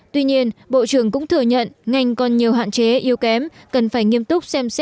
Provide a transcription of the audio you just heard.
tuy nhiên bộ trưởng cũng thừa nhận ngành còn nhiều hạn chế yêu kém cần phải nghiêm trọng